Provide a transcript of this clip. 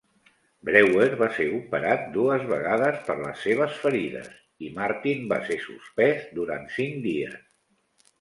Brewer va ser operat dues vegades per les seves ferides, i Martin va ser suspès durant cinc dies.